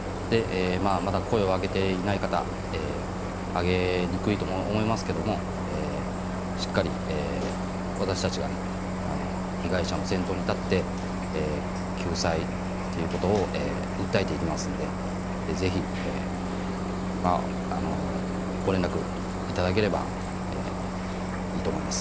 まだ声を上げていない方、上げにくいと思いますけれども、しっかり私たちが被害者の先頭に立って救済ということを訴えていきますので、ぜひ、ご連絡いただければいいと思います。